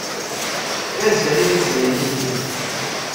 Efk azal i taqbaylit-ik.